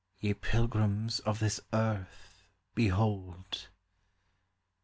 ye pilgrims of this earth, behold